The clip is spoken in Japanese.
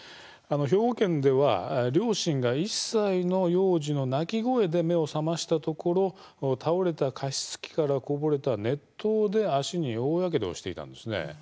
兵庫県では、両親が１歳の幼児の泣き声で目を覚ましたところ倒れた加湿器からこぼれた熱湯で足に大やけどをしていました。